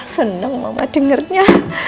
seneng mama dengernya